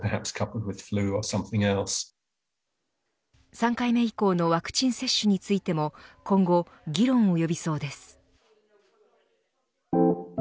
３回目以降のワクチン接種についても今後、議論を呼びそうです。